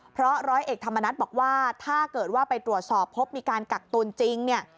เพราะร้อยเอกธรรมนัฏบอกว่าถ้าเกิดว่าไปตรวจสอบพบมีการกักตุลจริงเนี่ย